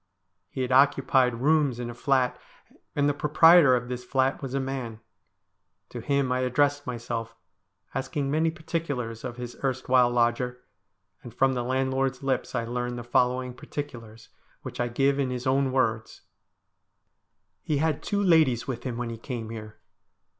He had occupied rooms in a flat, and the proprietor of this flat was a man. To him I addressed myself, asking many particulars of his erstwhile lodger, and from the landlord's lips I learned the following particulars, which I give in his own words :' He had two ladies with him when he came here.